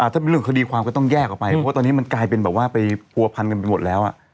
ถ้าเป็นเรื่องคดีความก็ต้องแยกออกไปเพราะว่าตอนนี้มันกลายเป็นแบบว่าไปผัวพันกันไปหมดแล้ว